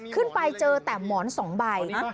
ขึ้นไปเจอแต่หมอน๒ใบ